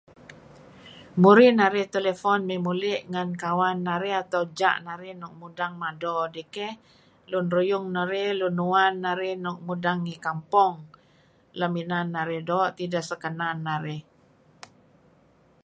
Murih narih telephone me muli' ngen kawan narih, atau ja' narih, nuk mudeng mado dih keh lun ruyung narih, lun uwn narih nuk mudeng ngi kampong lem inan narih doo' tideh sekanan narih.